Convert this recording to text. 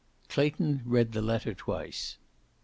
Clayton read the letter twice.